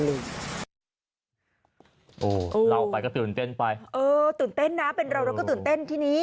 โอ้โหเล่าไปก็ตื่นเต้นไปเออตื่นเต้นนะเป็นเราเราก็ตื่นเต้นทีนี้